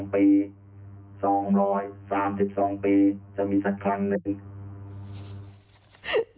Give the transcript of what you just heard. ๒ปี๒๓๒ปีจะมีสักครั้งหนึ่ง